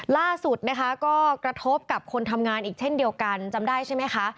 ล่าสุดนะคะก็กระทบกับคนทำงานอีกเช่นเดียวกันจำได้ใช่ไหมคะ